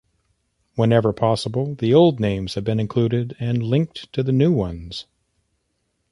Wherever possible, the old names have been included and linked to the new ones.